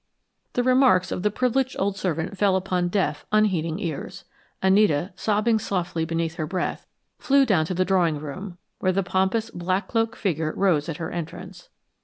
The remarks of the privileged old servant fell upon deaf, unheeding ears. Anita, sobbing softly beneath her breath, flew down to the drawing room, where the pompous black cloaked figure rose at her entrance.